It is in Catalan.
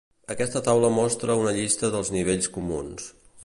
Aquesta taula mostra una llista dels nivells comuns.